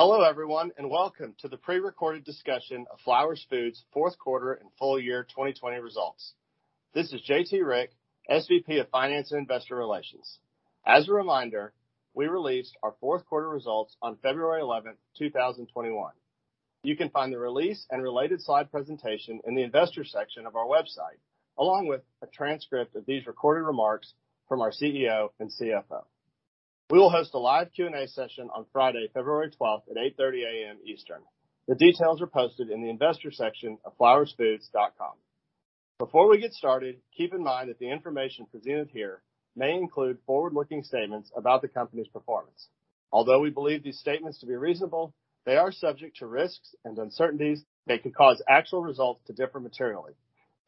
Hello everyone, and welcome to the pre-recorded discussion of Flowers Foods' fourth quarter and full year 2020 results. This is J.T. Rieck, SVP of Finance and Investor Relations. As a reminder, we released our fourth quarter results on February 11th, 2021. You can find the release and related slide presentation in the investors section of our website, along with a transcript of these recorded remarks from our CEO and CFO. We will host a live Q&A session on Friday, February 12th at 8:30 A.M. Eastern. The details are posted in the investor section of flowersfoods.com. Before we get started, keep in mind that the information presented here may include forward-looking statements about the company's performance. Although we believe these statements to be reasonable, they are subject to risks and uncertainties that could cause actual results to differ materially.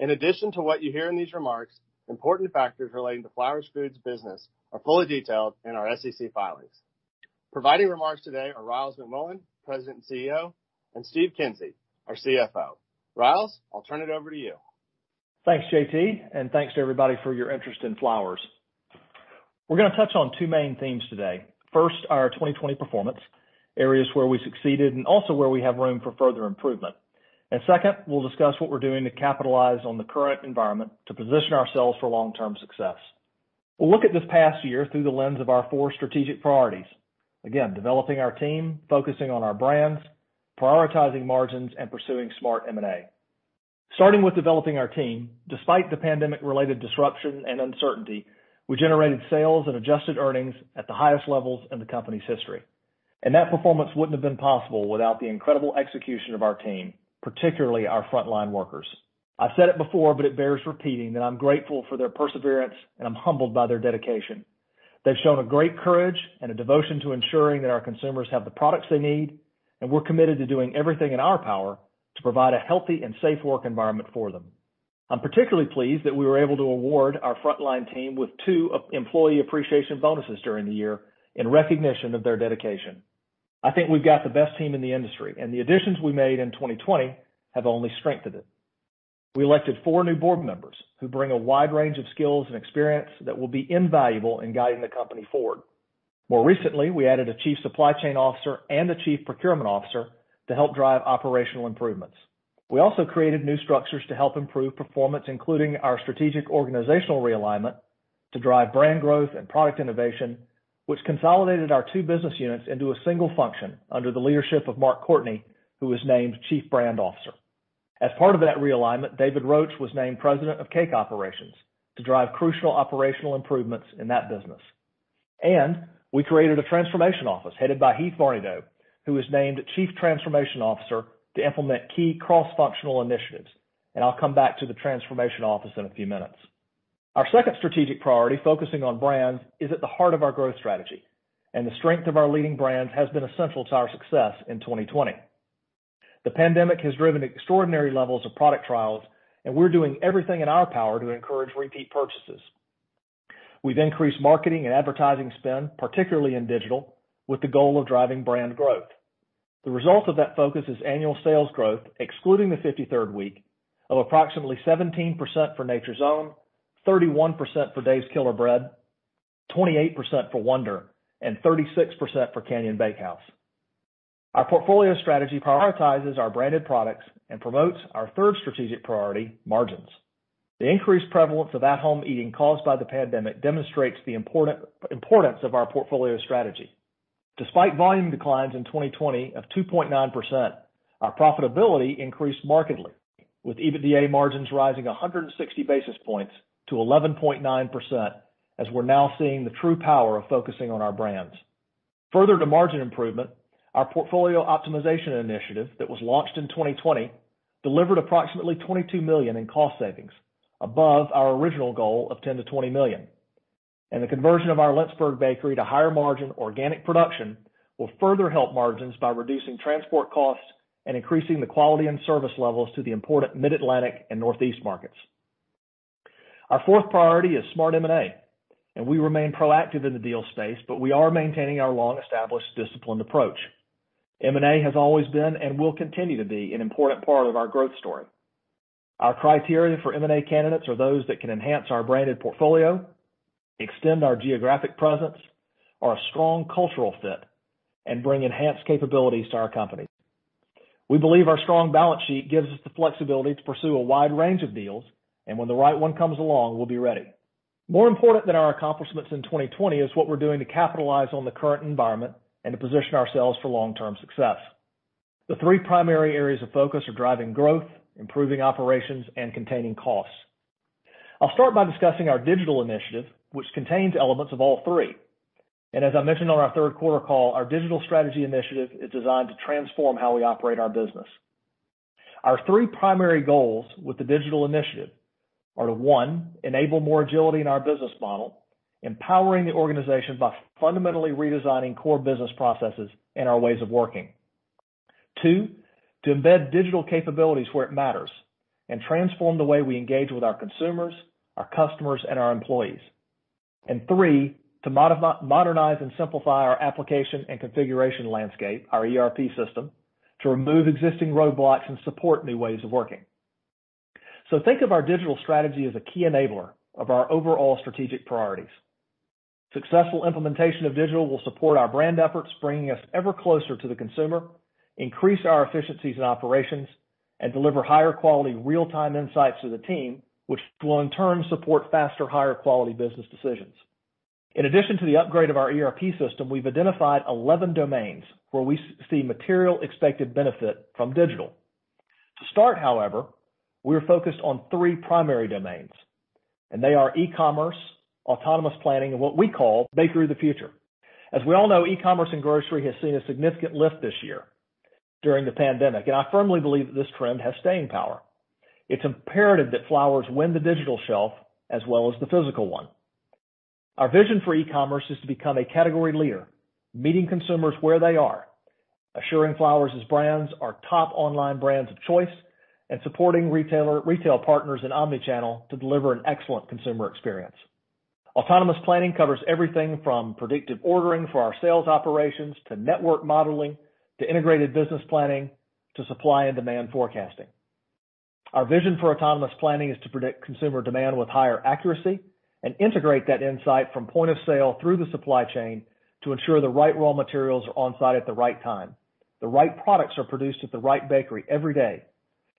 In addition to what you hear in these remarks, important factors relating to Flowers Foods business are fully detailed in our SEC filings. Providing remarks today are Ryals McMullian, President and CEO, and Steve Kinsey, our CFO. Ryals, I'll turn it over to you. Thanks, J.T., and thanks to everybody for your interest in Flowers Foods. We're going to touch on two main themes today. First, our 2020 performance, areas where we succeeded, and also where we have room for further improvement. Second, we'll discuss what we're doing to capitalize on the current environment to position ourselves for long-term success. We'll look at this past year through the lens of our four strategic priorities. Again, developing our team, focusing on our brands, prioritizing margins, and pursuing smart M&A. Starting with developing our team, despite the pandemic-related disruption and uncertainty, we generated sales and adjusted earnings at the highest levels in the company's history. That performance wouldn't have been possible without the incredible execution of our team, particularly our frontline workers. I've said it before, but it bears repeating, that I'm grateful for their perseverance, and I'm humbled by their dedication. They've shown a great courage and a devotion to ensuring that our consumers have the products they need, and we're committed to doing everything in our power to provide a healthy and safe work environment for them. I'm particularly pleased that we were able to award our frontline team with two employee appreciation bonuses during the year in recognition of their dedication. I think we've got the best team in the industry, and the additions we made in 2020 have only strengthened it. We elected four new board members who bring a wide range of skills and experience that will be invaluable in guiding the company forward. More recently, we added a Chief Supply Chain Officer and a Chief Procurement Officer to help drive operational improvements. We also created new structures to help improve performance, including our strategic organizational realignment to drive brand growth and product innovation, which consolidated our two business units into a single function under the leadership of Mark Courtney, who was named Chief Brand Officer. As part of that realignment, David Roach was named President of Cake Operations to drive crucial operational improvements in that business. We created a transformation office headed by Heeth Varnedoe, who was named Chief Transformation Officer to implement key cross-functional initiatives. I'll come back to the transformation office in a few minutes. Our second strategic priority, focusing on brands, is at the heart of our growth strategy, and the strength of our leading brands has been essential to our success in 2020. The pandemic has driven extraordinary levels of product trials, and we're doing everything in our power to encourage repeat purchases. We've increased marketing and advertising spend, particularly in digital, with the goal of driving brand growth. The result of that focus is annual sales growth, excluding the 53rd week, of approximately 17% for Nature's Own, 31% for Dave's Killer Bread, 28% for Wonder, and 36% for Canyon Bakehouse. Our portfolio strategy prioritizes our branded products and promotes our third strategic priority, margins. The increased prevalence of at-home eating caused by the pandemic demonstrates the importance of our portfolio strategy. Despite volume declines in 2020 of 2.9%, our profitability increased markedly with EBITDA margins rising 160 basis points to 11.9%, as we're now seeing the true power of focusing on our brands. Further to margin improvement, our portfolio optimization initiative that was launched in 2020 delivered approximately $22 million in cost savings above our original goal of $10 million-$20 million. The conversion of our Lynchburg bakery to higher margin organic production will further help margins by reducing transport costs and increasing the quality and service levels to the important Mid-Atlantic and Northeast markets. Our fourth priority is smart M&A. We remain proactive in the deal space, but we are maintaining our long-established disciplined approach. M&A has always been and will continue to be an important part of our growth story. Our criteria for M&A candidates are those that can enhance our branded portfolio, extend our geographic presence, are a strong cultural fit, and bring enhanced capabilities to our company. We believe our strong balance sheet gives us the flexibility to pursue a wide range of deals, and when the right one comes along, we'll be ready. More important than our accomplishments in 2020 is what we're doing to capitalize on the current environment and to position ourselves for long-term success. The three primary areas of focus are driving growth, improving operations, and containing costs. I'll start by discussing our Digital Initiative, which contains elements of all three. As I mentioned on our third quarter call, our Digital Strategy Initiative is designed to transform how we operate our business. Our three primary goals with the Digital Initiative are to, one, enable more agility in our business model, empowering the organization by fundamentally redesigning core business processes and our ways of working. Two, to embed digital capabilities where it matters and transform the way we engage with our consumers, our customers, and our employees. Three, to modernize and simplify our application and configuration landscape, our ERP system, to remove existing roadblocks and support new ways of working. Think of our digital strategy as a key enabler of our overall strategic priorities. Successful implementation of digital will support our brand efforts, bringing us ever closer to the consumer, increase our efficiencies and operations, and deliver higher quality real-time insights to the team, which will in turn support faster, higher quality business decisions. In addition to the upgrade of our ERP system, we've identified 11 domains where we see material expected benefit from digital. To start, however, we are focused on three primary domains, and they are e-commerce, autonomous planning, and what we call Bakery of the Future. As we all know, e-commerce in grocery has seen a significant lift this year during the pandemic, and I firmly believe that this trend has staying power. It's imperative that Flowers win the digital shelf as well as the physical one. Our vision for e-commerce is to become a category leader, meeting consumers where they are, assuring Flowers' brands are top online brands of choice, and supporting retail partners in omni-channel to deliver an excellent consumer experience. Autonomous planning covers everything from predictive ordering for our sales operations, to network modeling, to integrated business planning, to supply and demand forecasting. Our vision for autonomous planning is to predict consumer demand with higher accuracy and integrate that insight from point of sale through the supply chain to ensure the right raw materials are on site at the right time, the right products are produced at the right bakery every day,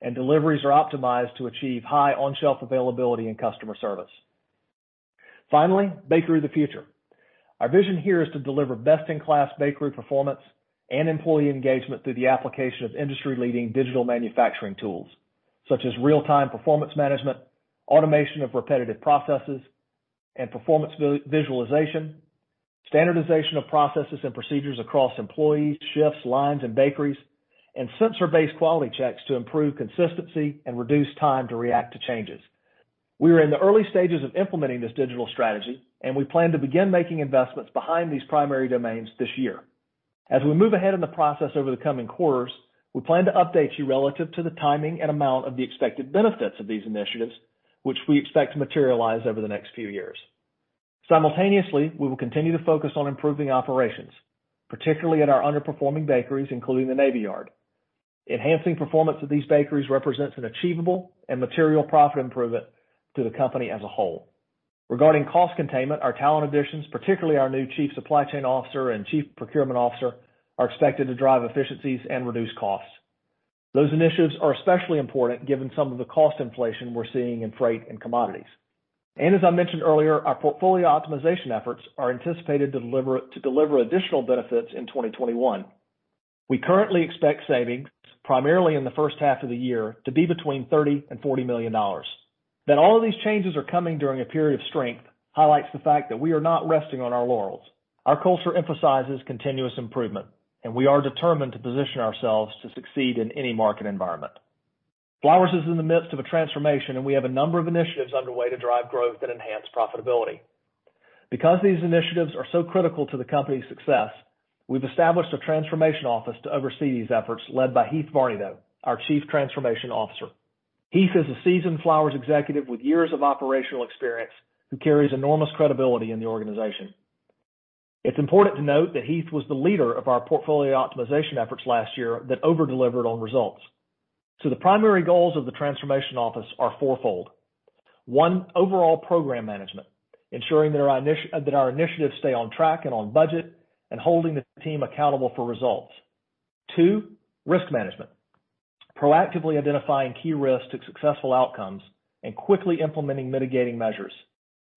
and deliveries are optimized to achieve high on-shelf availability and customer service. Finally, Bakery of the Future. Our vision here is to deliver best-in-class bakery performance and employee engagement through the application of industry-leading digital manufacturing tools, such as real-time performance management, automation of repetitive processes and performance visualization, standardization of processes and procedures across employees, shifts, lines, and bakeries, and sensor-based quality checks to improve consistency and reduce time to react to changes. We are in the early stages of implementing this digital strategy, and we plan to begin making investments behind these primary domains this year. As we move ahead in the process over the coming quarters, we plan to update you relative to the timing and amount of the expected benefits of these initiatives, which we expect to materialize over the next few years. Simultaneously, we will continue to focus on improving operations, particularly at our underperforming bakeries, including the Navy Yard. Enhancing performance of these bakeries represents an achievable and material profit improvement to the company as a whole. Regarding cost containment, our talent additions, particularly our new Chief Supply Chain Officer and Chief Procurement Officer, are expected to drive efficiencies and reduce costs. Those initiatives are especially important given some of the cost inflation we're seeing in freight and commodities. As I mentioned earlier, our portfolio optimization efforts are anticipated to deliver additional benefits in 2021. We currently expect savings, primarily in the first half of the year, to be between $30 million and $40 million. That all of these changes are coming during a period of strength highlights the fact that we are not resting on our laurels. Our culture emphasizes continuous improvement, and we are determined to position ourselves to succeed in any market environment. Flowers Foods is in the midst of a transformation, and we have a number of initiatives underway to drive growth and enhance profitability. Because these initiatives are so critical to the company's success, we've established a Transformation Office to oversee these efforts, led by Heeth Varnedoe, our Chief Transformation Officer. Heeth is a seasoned Flowers Foods executive with years of operational experience, who carries enormous credibility in the organization. It's important to note that Heeth was the leader of our portfolio optimization efforts last year that over-delivered on results. The primary goals of the transformation office are fourfold. One, overall program management, ensuring that our initiatives stay on track and on budget, and holding the team accountable for results. Two, risk management, proactively identifying key risks to successful outcomes and quickly implementing mitigating measures.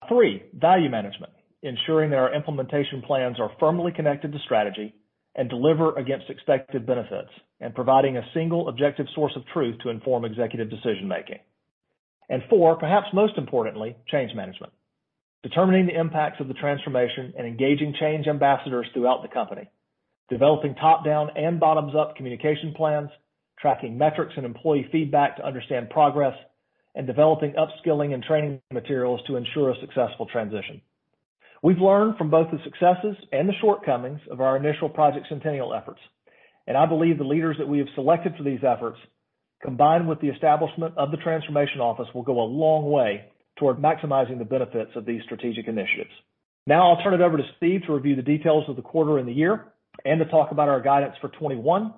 Three, value management, ensuring that our implementation plans are firmly connected to strategy and deliver against expected benefits, and providing a single objective source of truth to inform executive decision-making. Four, perhaps most importantly, change management, determining the impacts of the transformation and engaging change ambassadors throughout the company, developing top-down and bottoms-up communication plans, tracking metrics and employee feedback to understand progress, and developing upskilling and training materials to ensure a successful transition. We've learned from both the successes and the shortcomings of our initial Project Centennial efforts. I believe the leaders that we have selected for these efforts, combined with the establishment of the transformation office, will go a long way toward maximizing the benefits of these strategic initiatives. I'll turn it over to Steve to review the details of the quarter and the year and to talk about our guidance for 2021.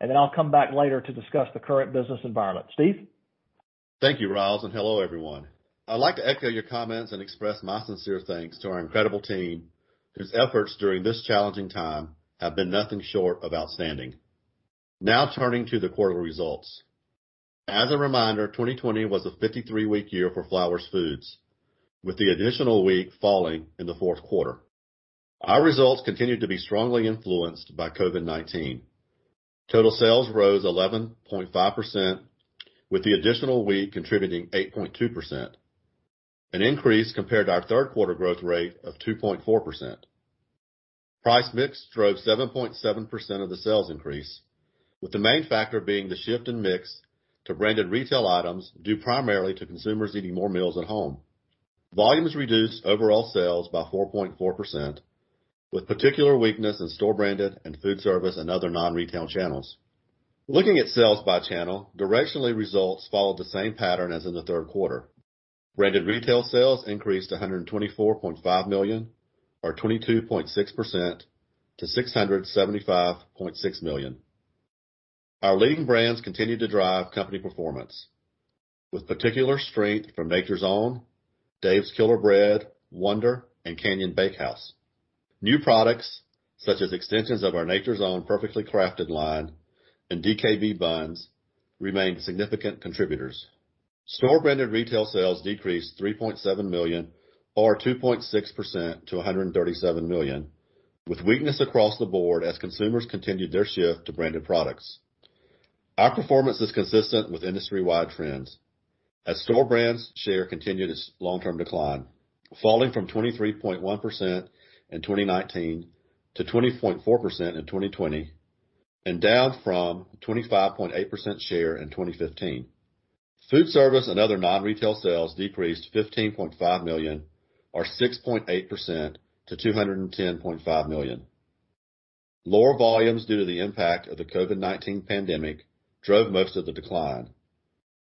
Then I'll come back later to discuss the current business environment. Steve? Thank you, Ryals, and hello, everyone. I'd like to echo your comments and express my sincere thanks to our incredible team, whose efforts during this challenging time have been nothing short of outstanding. Now turning to the quarterly results. As a reminder, 2020 was a 53-week year for Flowers Foods, with the additional week falling in the fourth quarter. Our results continued to be strongly influenced by COVID-19. Total sales rose 11.5%, with the additional week contributing 8.2%, an increase compared to our third quarter growth rate of 2.4%. Price mix drove 7.7% of the sales increase, with the main factor being the shift in mix to branded retail items, due primarily to consumers eating more meals at home. Volumes reduced overall sales by 4.4%, with particular weakness in store branded and food service and other non-retail channels. Looking at sales by channel, directionally, results followed the same pattern as in the third quarter. Branded retail sales increased to $124.5 million or 22.6% to $675.6 million. Our leading brands continued to drive company performance with particular strength from Nature's Own, Dave's Killer Bread, Wonder, and Canyon Bakehouse. New products, such as extensions of our Nature's Own Perfectly Crafted line and DKB buns, remained significant contributors. Store-branded retail sales decreased $3.7 million or 2.6% to $137 million, with weakness across the board as consumers continued their shift to branded products. Our performance is consistent with industry-wide trends as store brands' share continued its long-term decline, falling from 23.1% in 2019 to 20.4% in 2020, and down from 25.8% share in 2015. Food service and other non-retail sales decreased to $15.5 million or 6.8% to $210.5 million. Lower volumes due to the impact of the COVID-19 pandemic drove most of the decline.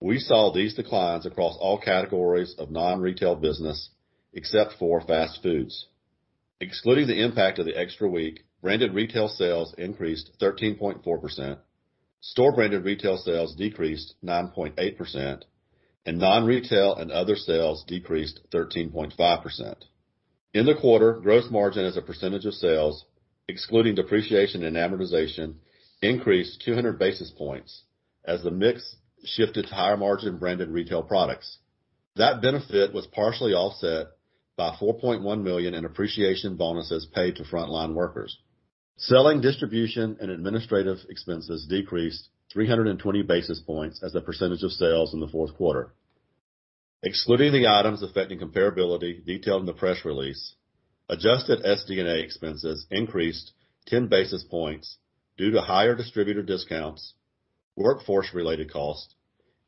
We saw these declines across all categories of non-retail business, except for fast foods. Excluding the impact of the extra week, branded retail sales increased 13.4%, store-branded retail sales decreased 9.8%, and non-retail and other sales decreased 13.5%. In the quarter, gross margin as a percentage of sales, excluding depreciation and amortization, increased 200 basis points as the mix shifted to higher margin branded retail products. That benefit was partially offset by $4.1 million in appreciation bonuses paid to frontline workers. Selling, distribution, and administrative expenses decreased 320 basis points as a percentage of sales in the fourth quarter. Excluding the items affecting comparability detailed in the press release, adjusted SD&A expenses increased 10 basis points due to higher distributor discounts, workforce-related costs,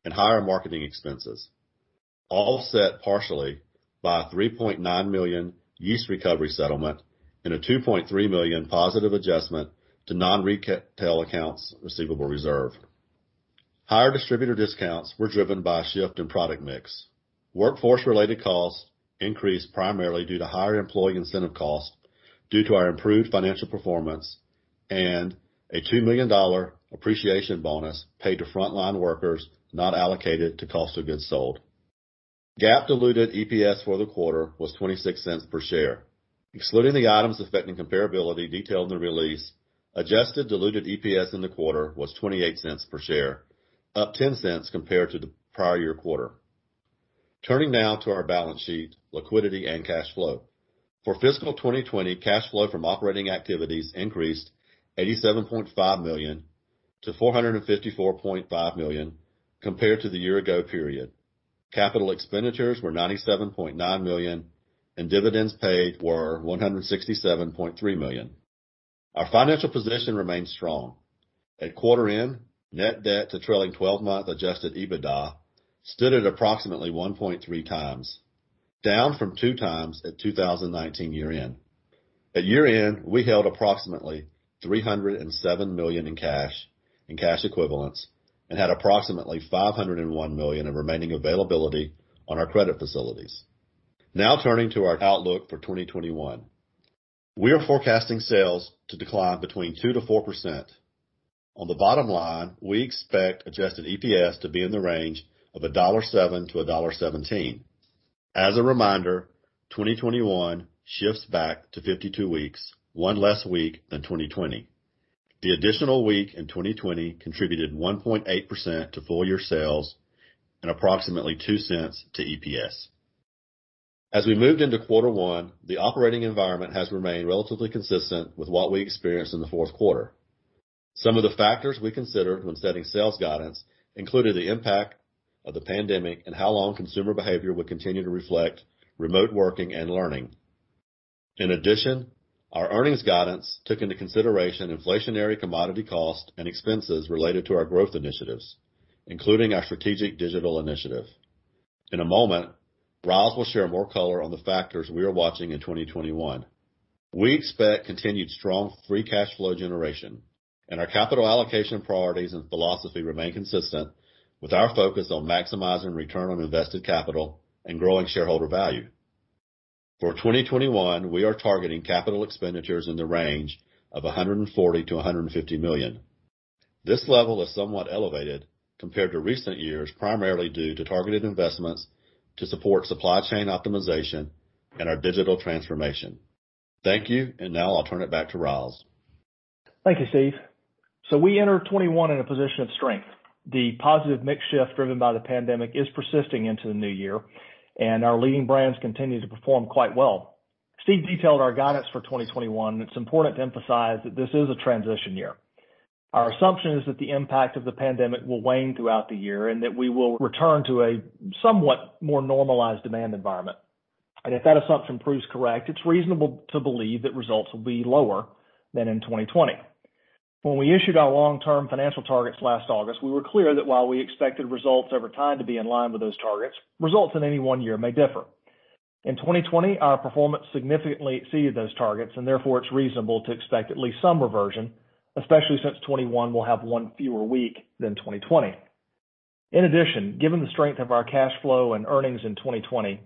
and higher marketing expenses, offset partially by a $3.9 million risk recovery settlement and a $2.3 million positive adjustment to non-retail accounts receivable reserve. Higher distributor discounts were driven by a shift in product mix. Workforce-related costs increased primarily due to higher employee incentive costs due to our improved financial performance and a $2 million appreciation bonus paid to frontline workers not allocated to cost of goods sold. GAAP diluted EPS for the quarter was $0.26 per share. Excluding the items affecting comparability detailed in the release, adjusted diluted EPS in the quarter was $0.28 per share, up $0.10 compared to the prior year quarter. Turning now to our balance sheet, liquidity, and cash flow. For fiscal 2020, cash flow from operating activities increased $87.5 million to $454.5 million compared to the year ago period. Capital expenditures were $97.9 million, and dividends paid were $167.3 million. Our financial position remains strong. At quarter end, net debt to trailing 12-month adjusted EBITDA stood at approximately 1.3x, down from 2x at 2019 year end. At year end, we held approximately $307 million in cash and cash equivalents and had approximately $501 million in remaining availability on our credit facilities. Turning to our outlook for 2021. We are forecasting sales to decline between 2%-4%. On the bottom line, we expect adjusted EPS to be in the range of $1.07-$1.17. As a reminder, 2021 shifts back to 52 weeks, one less week than 2020. The additional week in 2020 contributed 1.8% to full year sales and approximately $0.02 to EPS. As we moved into quarter one, the operating environment has remained relatively consistent with what we experienced in the fourth quarter. Some of the factors we considered when setting sales guidance included the impact of the pandemic and how long consumer behavior would continue to reflect remote working and learning. In addition, our earnings guidance took into consideration inflationary commodity costs and expenses related to our growth initiatives, including our strategic digital initiative. In a moment, Ryals will share more color on the factors we are watching in 2021. We expect continued strong free cash flow generation and our capital allocation priorities and philosophy remain consistent with our focus on maximizing return on invested capital and growing shareholder value. For 2021, we are targeting capital expenditures in the range of $140 million-$150 million. This level is somewhat elevated compared to recent years, primarily due to targeted investments to support supply chain optimization and our digital transformation. Thank you, now I'll turn it back to Ryals. Thank you, Steve. We enter 2021 in a position of strength. The positive mix shift driven by the pandemic is persisting into the new year, and our leading brands continue to perform quite well. Steve detailed our guidance for 2021, and it's important to emphasize that this is a transition year. Our assumption is that the impact of the pandemic will wane throughout the year and that we will return to a somewhat more normalized demand environment. If that assumption proves correct, it's reasonable to believe that results will be lower than in 2020. When we issued our long-term financial targets last August, we were clear that while we expected results over time to be in line with those targets, results in any one year may differ. In 2020, our performance significantly exceeded those targets, and therefore it's reasonable to expect at least some reversion, especially since 2021 will have one fewer week than 2020. In addition, given the strength of our cash flow and earnings in 2020,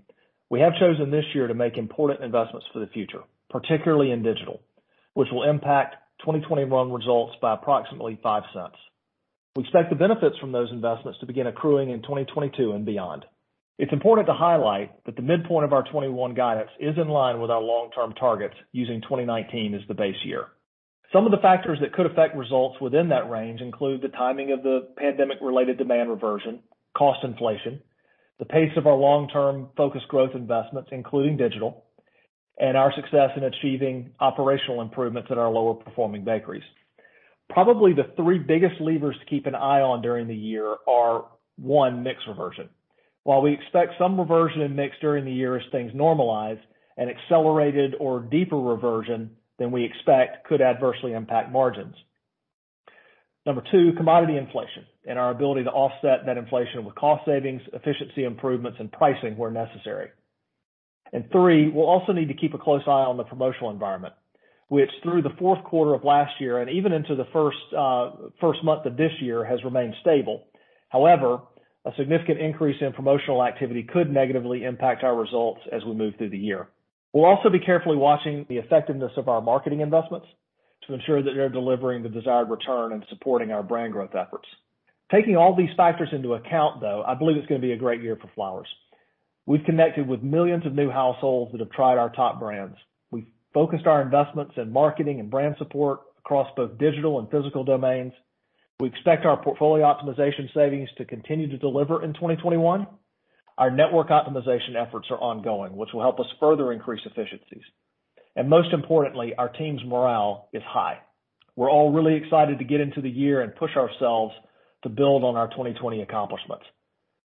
we have chosen this year to make important investments for the future, particularly in digital, which will impact 2021 results by approximately $0.05. We expect the benefits from those investments to begin accruing in 2022 and beyond. It's important to highlight that the midpoint of our 2021 guidance is in line with our long-term targets using 2019 as the base year. Some of the factors that could affect results within that range include the timing of the pandemic-related demand reversion, cost inflation, the pace of our long-term focused growth investments, including digital, and our success in achieving operational improvements at our lower performing bakeries. Probably the three biggest levers to keep an eye on during the year are, one, mix reversion. While we expect some reversion in mix during the year as things normalize, an accelerated or deeper reversion than we expect could adversely impact margins. Number two, commodity inflation and our ability to offset that inflation with cost savings, efficiency improvements, and pricing where necessary. Three, we'll also need to keep a close eye on the promotional environment, which through the fourth quarter of last year and even into the first month of this year, has remained stable. However, a significant increase in promotional activity could negatively impact our results as we move through the year. We'll also be carefully watching the effectiveness of our marketing investments to ensure that they're delivering the desired return and supporting our brand growth efforts. Taking all these factors into account, though, I believe it's going to be a great year for Flowers. We've connected with millions of new households that have tried our top brands. We've focused our investments in marketing and brand support across both digital and physical domains. We expect our portfolio optimization savings to continue to deliver in 2021. Our network optimization efforts are ongoing, which will help us further increase efficiencies. Most importantly, our team's morale is high. We're all really excited to get into the year and push ourselves to build on our 2020 accomplishments.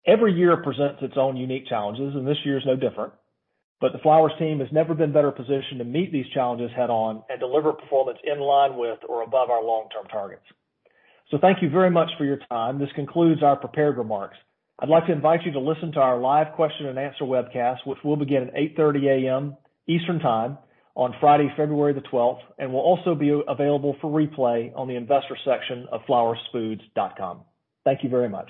Every year presents its own unique challenges, and this year is no different. The Flowers team has never been better positioned to meet these challenges head on and deliver performance in line with or above our long-term targets. Thank you very much for your time. This concludes our prepared remarks. I'd like to invite you to listen to our live question and answer webcast, which will begin at 8:30 A.M. Eastern Time on Friday, February the 12th, and will also be available for replay on the investor section of flowersfoods.com. Thank you very much.